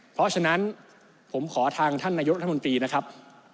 เพราะฉะนั้นผมขอทางท่านนายกรัฐมนตรีนะครับ